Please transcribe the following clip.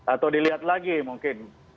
atau dilihat lagi mungkin